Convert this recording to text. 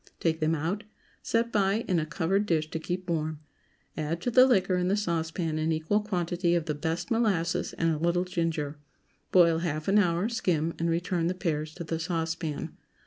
Take them out, set by in a covered dish to keep warm; add to the liquor in the saucepan an equal quantity of the best molasses and a little ginger; boil half an hour, skim, and return the pears to the saucepan.